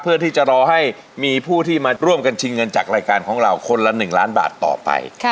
เพื่อที่จะรอให้มีผู้ที่มาร่วมกันชิงเงินจากรายการของเราคนละ๑ล้านบาทต่อไป